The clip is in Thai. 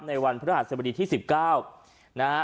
ในวันพฤษภาษณ์สวดีที่๑๙นะฮะ